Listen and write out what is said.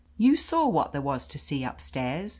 "You saw what there was to see up stairs.